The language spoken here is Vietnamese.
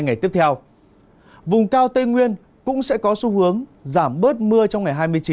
ngày tiếp theo vùng cao tây nguyên cũng sẽ có xu hướng giảm bớt mưa trong ngày hai mươi chín